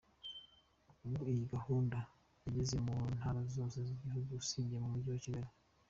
Ubu iyi gahunda yageze mu ntara zose z’igihugu usibye mu mujyi wa Kigali.